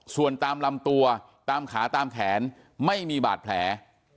ส่วนตามลำตัวตามขาตามแขนไม่มีบาดแผล